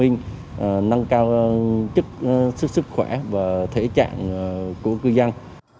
năng cao chức sức khỏe và thể trạng của cư dân